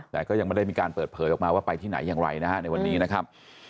แต่ก็ยังไม่ได้มีการเปิดเผยออกมาว่าไปที่ไหนอย่างไรนะฮะในวันนี้นะครับ